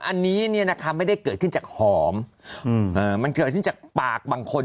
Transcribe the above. อันนี้เนี่ยนะคะไม่ได้เกิดขึ้นจากหอมมันเกิดขึ้นจากปากบางคน